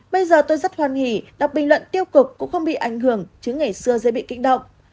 bây giờ tôi rất hoan hỷ gặp bình luận tiêu cực cũng không bị ảnh hưởng chứ ngày xưa dễ bị kích động